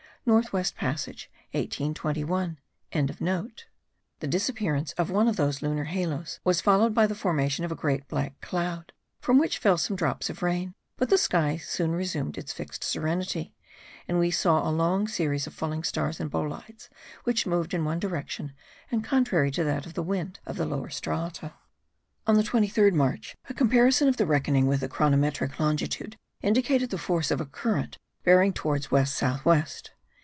North west Passage, 1821.) The disappearance of one of those lunar halos was followed by the formation of a great black cloud, from which fell some drops of rain; but the sky soon resumed its fixed serenity, and we saw a long series of falling stars and bolides which moved in one direction and contrary to that of the wind of the lower strata. On the 23rd March, a comparison of the reckoning with the chronometric longitude, indicated the force of a current bearing towards west south west.